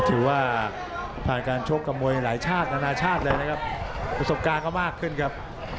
ถือว่าผ่านการชกกับมวยหลายชาตินานาชาติเลยนะครับประสบการณ์ก็มากขึ้นครับ